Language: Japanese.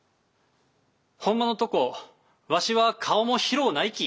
ほんまのとこわしは顔も広うないき。